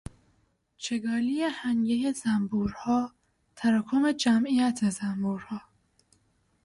چگالی هنگهی زنبورها، تراکم جمعیت زنبورها